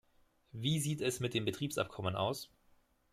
Wie sieht es mit dem Betriebsabkommen aus?